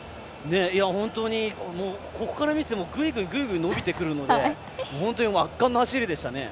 本当にここから見ててもぐいぐい伸びていくので本当に圧巻の走りでしたね。